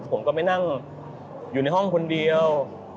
ผมก็ไม่นั่งอยู่ในห้องคนเดียว